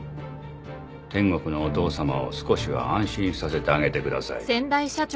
天国のお父さまを少しは安心させてあげてください。